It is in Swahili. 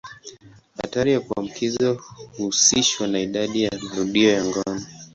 Hatari ya kuambukizwa huhusishwa na idadi ya marudio ya ngono.